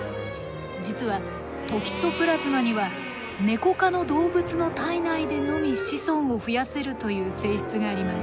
実はトキソプラズマにはネコ科の動物の体内でのみ子孫を増やせるという性質があります。